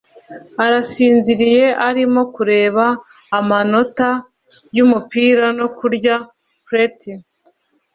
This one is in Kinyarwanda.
arasinziriye arimo kureba amanota yumupira no kurya preti